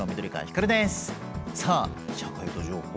さあ「社会と情報」